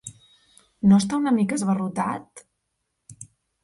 No està una mica abarrotat?